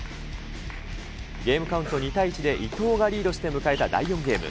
ゲームカウント２対１で伊藤がリードして迎えた第４ゲーム。